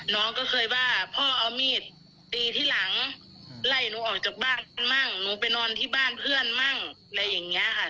น้องก็เคยว่าพ่อเอามีดตีที่หลังไล่หนูออกจากบ้านมั่งหนูไปนอนที่บ้านเพื่อนมั่งอะไรอย่างนี้ค่ะ